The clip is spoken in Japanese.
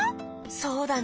そうだね。